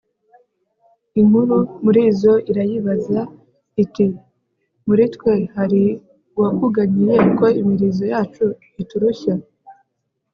inkuru muri zo irayibaza iti « muri twe hari uwakuganyiye ko imirizo yacu iturushya ?